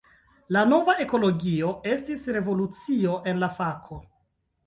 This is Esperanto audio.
La nova ekologio estis revolucio en la fako.